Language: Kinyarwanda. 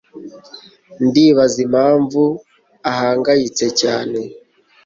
Ndibaza impamvu ahangayitse cyane.